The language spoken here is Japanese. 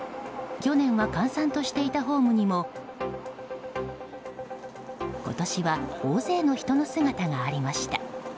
去年は閑散としていたホームにも今年は大勢の人の姿がありました。